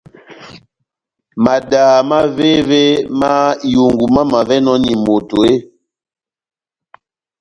Madaha mávévémá ihungu mamavɛnɔni moto eeeh ?